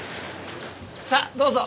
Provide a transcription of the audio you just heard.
さあどうぞ。